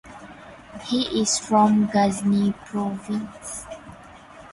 He is from Ghazni Province.